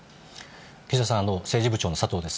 岸田さん、政治部長の佐藤です。